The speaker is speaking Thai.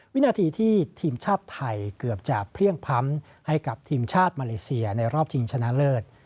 วินาทีที่ทีมชาติไทยเกือบจะเพลี่ยงพ้ำให้กับทีมชาติมาเลเซียในรอบชิงชนะเลิศ